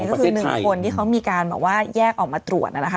ก็คือหนึ่งคนที่เขามีการแยกออกมาตรวจ